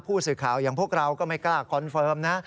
ผู้สื่อข่าวอย่างพวกเราก็ไม่กล้าคอนเฟิร์มนะ